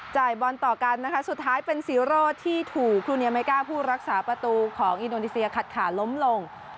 บอลต่อกันนะคะสุดท้ายเป็นซีโร่ที่ถูกครูเนียเมก้าผู้รักษาประตูของอินโดนีเซียขัดขาล้มลง